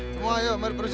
semua yuk berusia